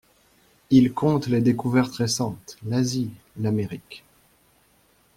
Ils content les découvertes récentes, l'Asie, l'Amérique.